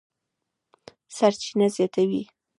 سرچینه زیاتوي